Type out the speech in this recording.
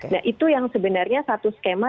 nah itu yang sebenarnya satu skema